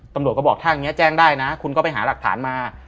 ตำรวจก็บอกถ้าอย่างนี้แจ้งได้นะคุณก็ไปหาหลักฐานมา